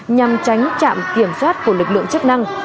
nhằm tránh trạm kiểm soát của lực lượng chức năng